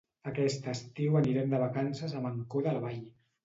Aquest estiu anirem de vacances a Mancor de la Vall.